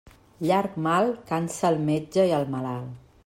Llarg mal cansa el metge i el malalt.